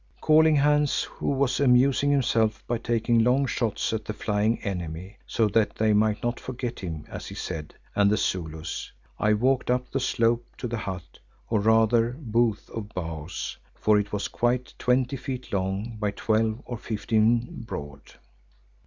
Calling Hans, who was amusing himself by taking long shots at the flying enemy, so that they might not forget him, as he said, and the Zulus, I walked up the slope to the hut, or rather booth of boughs, for it was quite twenty feet long by twelve or fifteen broad.